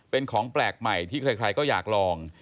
เป็นของแปลกใหม่ที่ใครก็อยากลอง